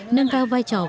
nâng cao vai trò